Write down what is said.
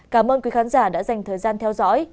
cảm ơn quý khán giả đã dành thời gian theo dõi